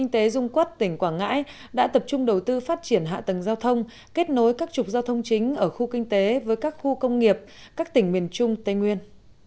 trung quốc tỉnh quảng ngãi đã tập trung đầu tư phát triển hạ tầng giao thông kết nối các trục giao thông chính ở khu kinh tế với các khu công nghiệp các tỉnh miền trung tây nguyên